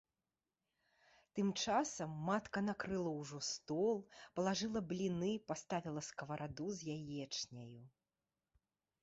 Тым часам матка накрыла ўжо стол, палажыла бліны, паставіла скавараду з яечняю.